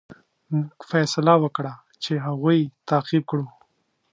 موږ فیصله وکړه چې هغوی تعقیب کړو.